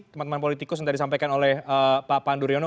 teman teman politikus yang tadi disampaikan oleh pak panduryono